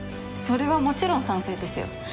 それはもちろん賛成ですよ。